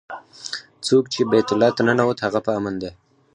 څوک چې بیت الله ته ننوت هغه په امن دی.